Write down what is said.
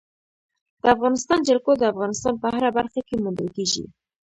د افغانستان جلکو د افغانستان په هره برخه کې موندل کېږي.